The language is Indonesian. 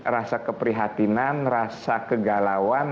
rasa keprihatinan rasa kegalauan